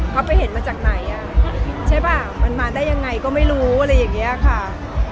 เขาไปเห็นมาจากไหนอ่ะใช่ป่ะมันมาได้ยังไงก็ไม่รู้อะไรอย่างนี้ค่ะ